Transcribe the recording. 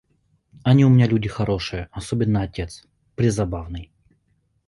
Они у меня люди хорошие, особенно отец: презабавный.